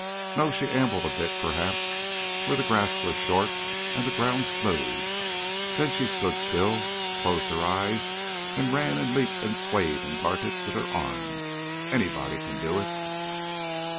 No, she ambled a bit, perhaps, where the grass was short and the ground smooth, then she stood still, closed her eyes, and ran and leaped and swayed and darted with her arms. Anybody can do it.